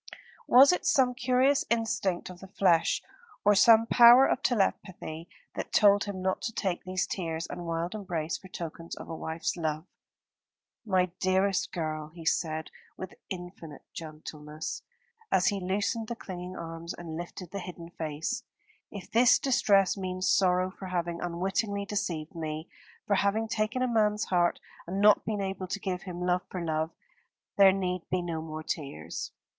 Was it some curious instinct of the flesh, or some power of telepathy, that told him not to take these tears and wild embrace for tokens of a wife's love? "My dearest girl," he said with infinite gentleness, as he loosened the clinging arms and lifted the hidden face, "if this distress means sorrow for having unwittingly deceived me, for having taken a man's heart and not been able to give him love for love, there need be no more tears.